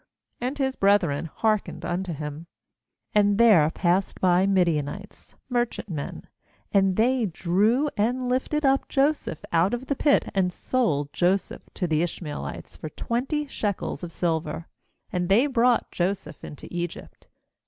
And his brethren hearkened unto him. 28And there passed by Midianites, merchantmen; and they drew and lifted up Joseph out of the pit, and sold Joseph to the Ishmaelites for twenty shekels of silver. And they brought Joseph into Egypt.